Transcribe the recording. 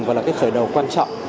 và là cái khởi đầu quan trọng